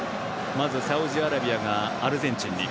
まず、サウジアラビアがアルゼンチンに。